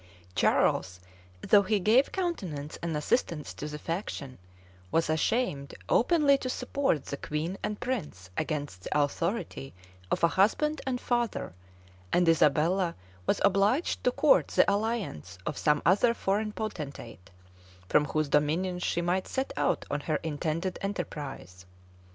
{1326.} Charles, though he gave countenance and assistance to the faction, was ashamed openly to support the queen and prince against the authority of a husband and father; and Isabella was obliged to court the alliance of some other foreign potentate, from whose dominions she might set out on her intended enterprise.